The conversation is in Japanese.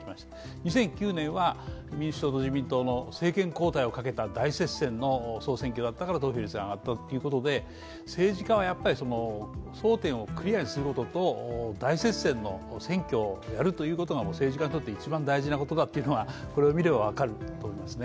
２００９年は民主党と自民党の政権交代をかけた大接戦の総選挙だったから投票率が上がったということで政治家は争点をクリアにすることと、大接戦の選挙をやることが政治家にとって一番大事なことだというのはこれを見れば分かると思いますね。